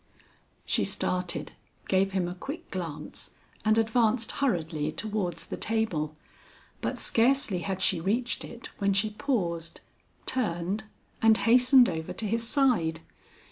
She started, gave him a quick glance, and advanced hurriedly towards the table; but scarcely had she reached it when she paused, turned and hastened over to his side.